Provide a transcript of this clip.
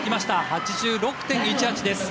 ８６．１８です。